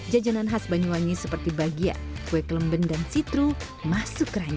jajanan khas banyuwangi seperti bagia kue kelemben dan sitru masuk ke ranjang